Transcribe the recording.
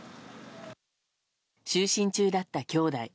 就寝中だった兄弟。